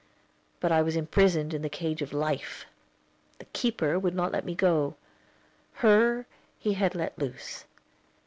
But I was imprisoned in the cage of Life the Keeper would not let me go; her he had let loose.